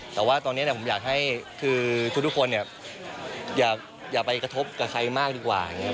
แต่ว่าตอนเนี้ยเนี้ยผมอยากให้คือทุกคนเนี้ยอยากอย่าไปกระทบกับใครมากดีกว่าอย่างเงี้ย